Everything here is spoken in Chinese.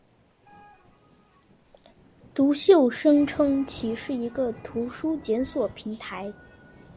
读秀声称其是一个图书检索平台。